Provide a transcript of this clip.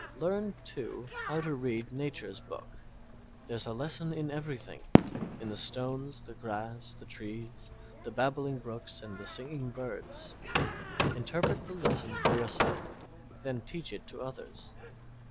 Learn, too, how to read Nature's book. There's a lesson in everything in the stones, the grass, the trees, the babbling brooks and the singing birds. Interpret the lesson for yourself, then teach it to others.